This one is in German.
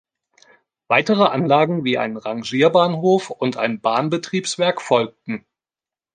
Weitere Anlagen wie ein Rangierbahnhof und ein Bahnbetriebswerk folgten.